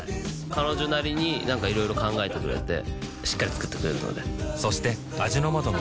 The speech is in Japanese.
彼女なりになんかいろいろ考えてくれてしっかり作ってくれるのでそして味の素の栄養プログラム